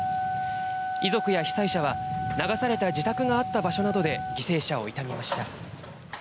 遺族や被災者は流された自宅があった場所などで犠牲者を悼みました。